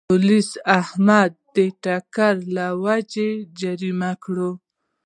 پولیسو احمد د ټکر له وجې جریمه کړ.